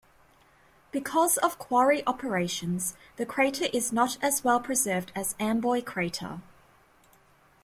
Because of quarry operations, the crater is not as well preserved as Amboy Crater.